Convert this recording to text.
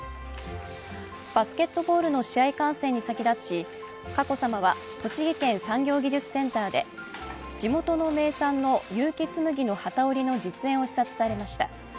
バスケットボールの試合観戦に先立ち、佳子さまは栃木県産業技術センターで地元の名産の結城紬の機織りの実演を視察されました。